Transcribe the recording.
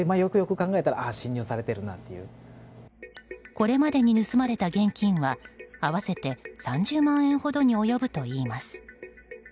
これまでに盗まれた現金は合わせて３０万円ほどに及ぶといいます。